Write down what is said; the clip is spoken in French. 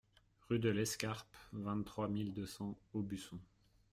Rue de l'Escarpe, vingt-trois mille deux cents Aubusson